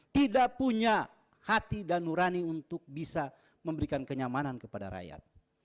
tidak punya hati dan nurani untuk bisa memberikan kenyamanan kepada rakyat